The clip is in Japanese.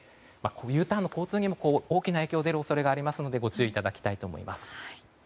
Ｕターンの交通にも大きな影響が出る可能性がありますのでご注意いただきたいと思います。